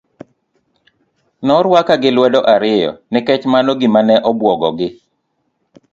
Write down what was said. Norwaka gi lwedo ariyo nikech mano gima ne obuogo gi.